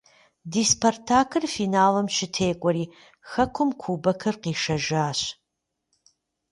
Ди «Спартак»-ыр финалым щытекӏуэри хэкум кубокыр къишэжащ.